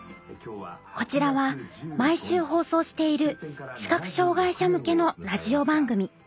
こちらは毎週放送している視覚障害者向けのラジオ番組。